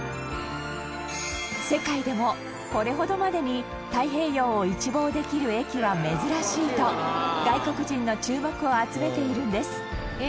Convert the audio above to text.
世界でも、これほどまでに太平洋を一望できる駅は珍しいと外国人の注目を集めているんです本仮屋：